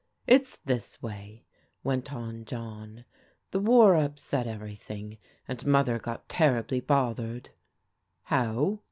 It's this way," went on John. " The war upset everything and Mother got terribly bothered." "How?"